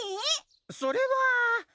それは。